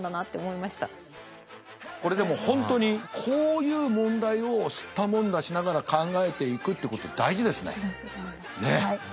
これでも本当にこういう問題をすったもんだしながら考えていくってこと大事ですね。